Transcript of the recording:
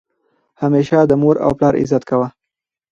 همیشه د مور او پلار عزت کوه!